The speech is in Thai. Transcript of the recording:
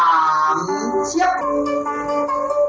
ลามชั่ว